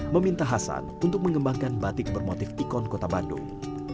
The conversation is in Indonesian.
meminta hasan untuk mengembangkan batik bermotif ikon kota bandung